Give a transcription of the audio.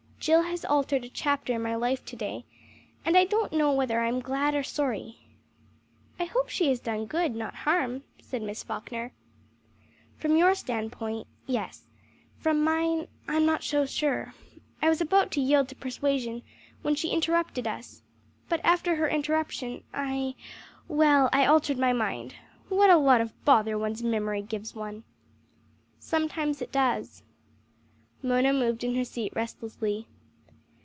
"Jill has altered a chapter in my life to day, and I don't know whether I am glad or sorry." "I hope she has done good, not harm," said Miss Falkner. "From your standpoint yes. From mine I'm not so sure. I was about to yield to persuasion, when she interrupted us, but after her interruption, I well I altered my mind. What a lot of bother one's memory gives one!" "Sometimes it does." Mona moved in her seat restlessly.